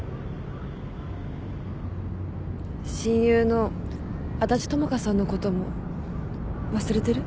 親友の安達智花さんのことも忘れてる？